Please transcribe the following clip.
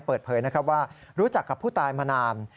เปิดเผยนะครับว่ารู้จักกับผู้ตายมานาน